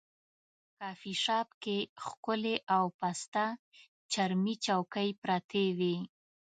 کافي شاپ کې ښکلې او پسته چرمي چوکۍ پرتې وې.